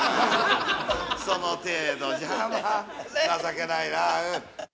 その程度じゃ、まぁ情けないな。